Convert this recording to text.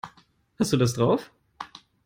Hast du das drauf?